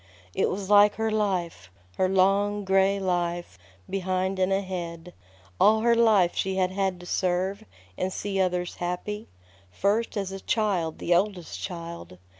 It was like her life, her long, gray life, behind and ahead. All her life she had had to serve, and see others happy. First as a child, the oldest child.